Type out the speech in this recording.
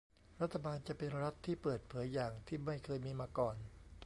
รัฐบาลจะเป็นรัฐที่เปิดเผยอย่างที่ไม่เคยมีมาก่อน